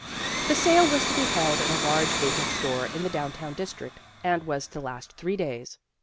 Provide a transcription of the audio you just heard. The sale was to be held in a large vacant store in the down town district, and was to last three days.